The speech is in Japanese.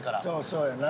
そうやな。